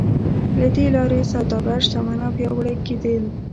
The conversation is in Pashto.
له دې لارې سوداګر شتمن او پیاوړي کېدل.